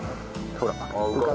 ほら。